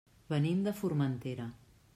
Venim de Formentera.